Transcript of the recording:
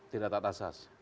tidak tak asas